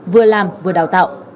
vừa làm vừa đào tạo